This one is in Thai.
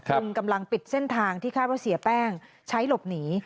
คุณกำลังปิดเส้นทางที่คาดว่าเสียแป้งใช้หลบหนี